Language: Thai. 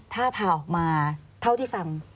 ถ้าพาออกมาเท่าที่ฟัง